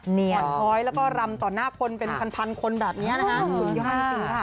หว่างช้อยแล้วก็รำต่อหน้าคนเป็นพันคนแบบนี้นะครับ